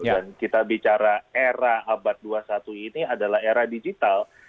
dan kita bicara era abad dua puluh satu ini adalah era digital